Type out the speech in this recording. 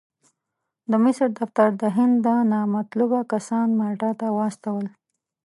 د مصر دفتر د هند نامطلوب کسان مالټا ته واستول.